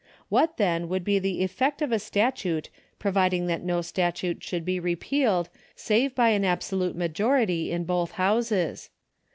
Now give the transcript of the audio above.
What, then, would be the effect of a statute providing that no statute should be repealed save by an abso lute majority in both Houses